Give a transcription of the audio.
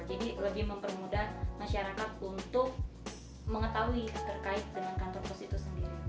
jadi lebih mempermudah masyarakat untuk mengetahui terkait dengan kantor pos itu sendiri